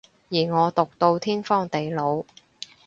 而我毒到天荒地老